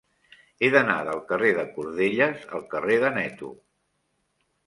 He d'anar del carrer de Cordelles al carrer d'Aneto.